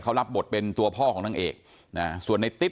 เขารับบทเป็นตัวพ่อของนางเอกนะส่วนในติ๊บ